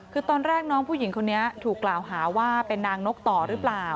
คือตอนแรกน้องผู้หญิงคนนี้ถูกกล่าวหาว่าเป็นนางนกต่อหรือเปล่า